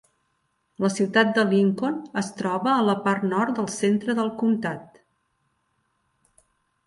La ciutat de Lincoln es troba a la part nord del centre del comtat.